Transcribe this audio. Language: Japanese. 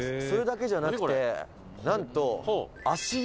「それだけじゃなくてなんと」